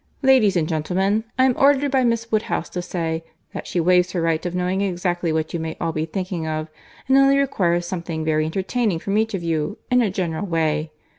Ladies and gentlemen—I am ordered by Miss Woodhouse to say, that she waives her right of knowing exactly what you may all be thinking of, and only requires something very entertaining from each of you, in a general way.